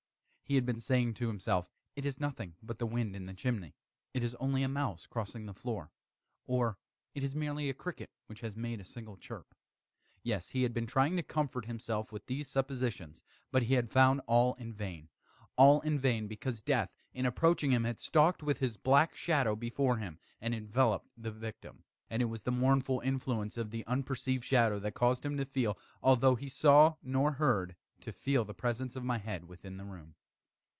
He had been saying to himself "It is nothing but the wind in the chimney it is only a mouse crossing the floor," or "It is merely a cricket which has made a single chirp." Yes, he had been trying to comfort himself with these suppositions: but he had found all in vain. All in vain; because Death, in approaching him had stalked with his black shadow before him, and enveloped the victim. And it was the mournful influence of the unperceived shadow that caused him to feel although he neither saw nor heard to feel the presence of my head within the room.